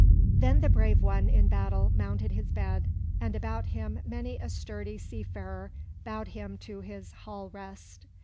Then the brave one in battle mounted his bed, and about him many a hardy sea farer bowed him to his hall rest.